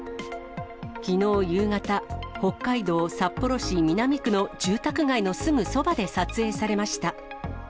きのう夕方、北海道札幌市南区の住宅街のすぐそばで撮影されました。